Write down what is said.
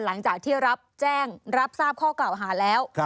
หลังจากที่รับแจ้งรับทราบข้อกล่าวหาแล้ว